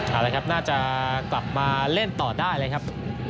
เอาละครับน่าจะกลับมาเล่นต่อได้เลยครับ